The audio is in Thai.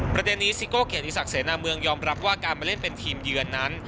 ประเด็นนี้ซิโก้เกียรติศักดิเสนาเมืองยอมรับว่าการมาเล่นเป็นทีมเยือนนั้น